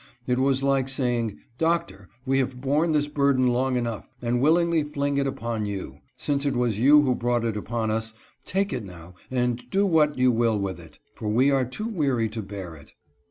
It was like saying "Doctor, we have borne this burden long enough, and willingly fling it upon you. Since it was you who brought it upon us, take it now and do what you will with it, for we are too weary to bear it."